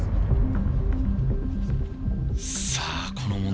さぁこの問題。